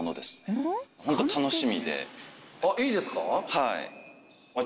はい。